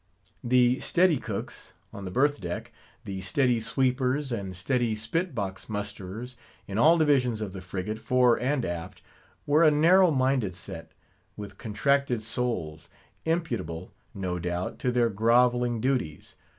The "steady cooks" on the berth deck, the "steady sweepers," and "steady spit box musterers," in all divisions of the frigate, fore and aft, were a narrow minded set; with contracted souls; imputable, no doubt, to their groveling duties.